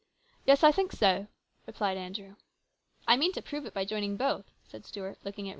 " Yes, I think so," replied Andrew. " I mean to prove it by joining both," said Stuart, looking at Rhena.